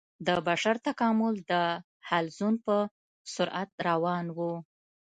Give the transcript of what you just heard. د بشر تکامل د حلزون په سرعت روان و.